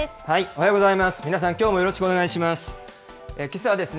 おはようございます。